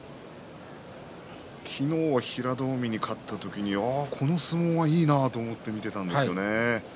昨日は平戸海に勝った時にこの相撲はいいなと思って見ていたんですよね